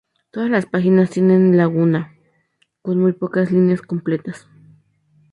Todas las páginas tienen laguna, con muy pocas líneas completas.